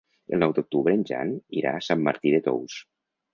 El nou d'octubre en Jan irà a Sant Martí de Tous.